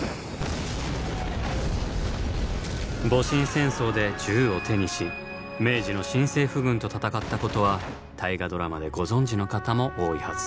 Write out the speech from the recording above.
戊辰戦争で銃を手にし明治の新政府軍と戦ったことは「大河ドラマ」でご存じの方も多いはず。